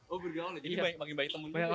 oh bergaul ya jadi makin banyak temen